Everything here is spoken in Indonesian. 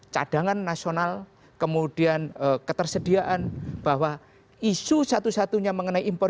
cadangan nasional kemudian ketersediaan bahwa isu satu satunya mengenai impor